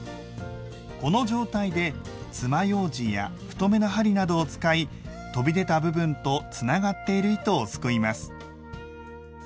この状態でつまようじや太めの針などを使い飛び出た部分とつながっている糸をすくいます。